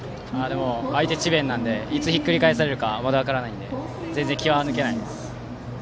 相手が智弁なのでいつひっくり返されるかまだ分からないので全然、気は抜けないです。